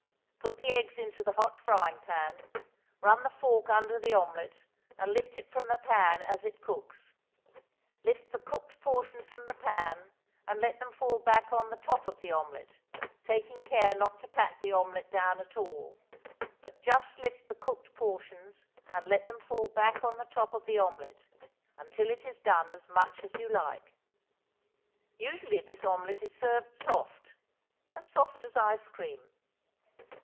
Put the eggs into the hot frying pan; run the fork under the omelette and lift it from the pan as it cooks; lift the cooked portions from the pan, and let them fall back on the top of the omelette, taking care not to pat the omelette down at all; but just lift the cooked portions and let them fall back on the top of the omelette, until it is done as much as you like. Usually this omelette is served soft as soft as ice cream.